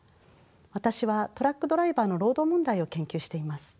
私はトラックドライバーの労働問題を研究しています。